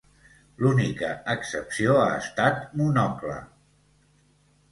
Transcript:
L'única excepció ha estat Monocle.